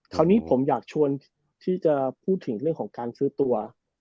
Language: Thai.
คราวนี้ผมอยากชวนที่จะพูดถึงเรื่องของการซื้อตัว